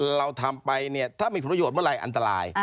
เราทำไปเนี่ยถ้ามีผลประโยชน์เมื่อไรอันตราย